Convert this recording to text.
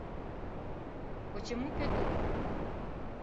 — Почему Петух?